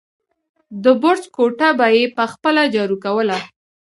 د برج کوټه به يې په خپله جارو کوله.